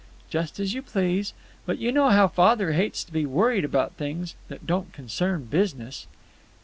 "Just as you please. But you know how father hates to be worried about things that don't concern business."